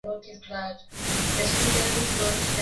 unaweza kumenya maganda baada kupika viazi vyako